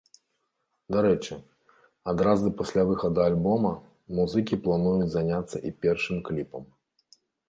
Дарэчы, адразу пасля выхаду альбома музыкі плануюць заняцца і першым кліпам.